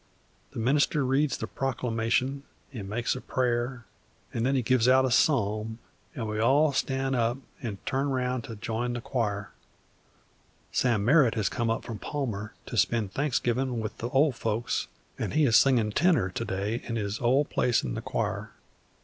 The minister reads the proclamation an' makes a prayer, an' then he gives out a psalm, an' we all stan' up an' turn round an' join the choir. Sam Merritt has come up from Palmer to spend Thanksgivin' with the ol' folks, an' he is singin' tenor to day in his ol' place in the choir.